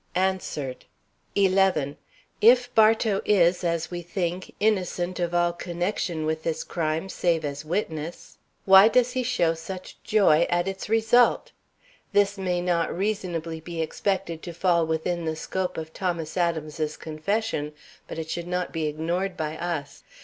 [Sidenote: Answered] 11. If Bartow is, as we think, innocent of all connection with this crime save as witness, why does he show such joy at its result? This may not reasonably be expected to fall within the scope of Thomas Adams's confession, but it should not be ignored by us.